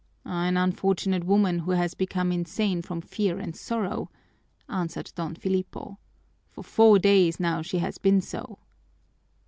"An unfortunate woman who has become insane from fear and sorrow," answered Don Filipo. "For four days now she has been so."